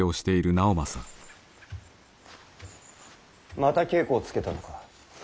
また稽古をつけたのか。